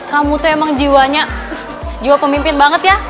kamu tuh emang jiwanya juga pemimpin banget ya